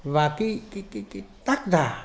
và cái tác giả